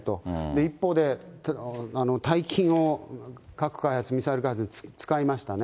一方で、大金を核開発、ミサイル開発に使いましたね。